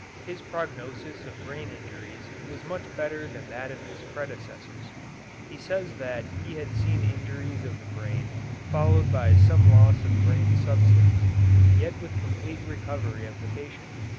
His prognosis of brain injuries was much better than that of his predecessors. He says that he had seen injuries of the brain followed by some loss of brain substance, yet with complete recovery of the patient.